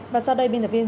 bạn sao đây binh thập vinh